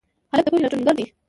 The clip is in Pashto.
هلک د پوهې لټونګر دی.